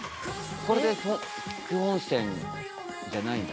これで基本線じゃないんだ。